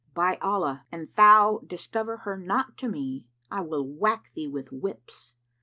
By Allah, an thou discover her not to me, I will whack thee with whips."